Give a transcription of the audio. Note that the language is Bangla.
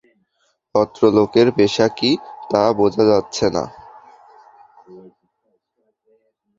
ভদ্রলোকের পেশা কী, তা বোঝা যাচ্ছে না!